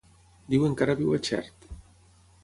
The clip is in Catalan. Diuen que ara viu a Xert.